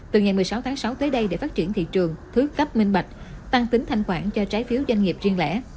từ ngày một mươi sáu tháng sáu tới đây để phát triển thị trường thứ cấp minh bạch tăng tính thanh khoản cho trái phiếu doanh nghiệp riêng lẻ